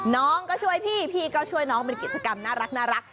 น้องก็ช่วยพี่พี่ก็ช่วยน้องเป็นกิจกรรมน่ารัก